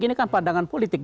ini kan pandangan politik